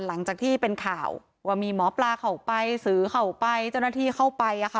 หลังจากที่เป็นข่าวว่ามีหมอปลาเข้าไปสื่อเข้าไปเจ้าหน้าที่เข้าไปอะค่ะ